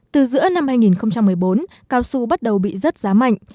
từ giữa năm hai nghìn một mươi bốn cao su bắt đầu bị rớt giá mạnh